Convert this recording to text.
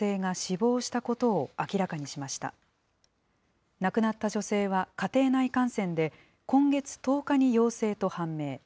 亡くなった女性は家庭内感染で、今月１０日に陽性と判明。